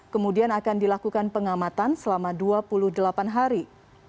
kemudian akan dilakukan pengamatan selama dua puluh delapan hari